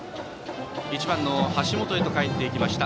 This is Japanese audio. １番の橋本へかえっていきました。